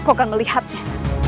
aku akan melihatnya